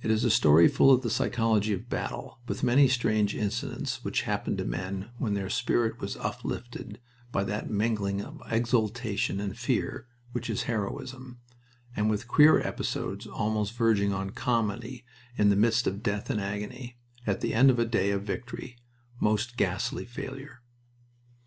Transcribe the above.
It is a story full of the psychology of battle, with many strange incidents which happened to men when their spirit was uplifted by that mingling of exultation and fear which is heroism, and with queer episodes almost verging on comedy in the midst of death and agony, at the end of a day of victory, most ghastly failure.